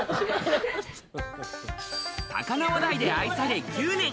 高輪台で愛され９年。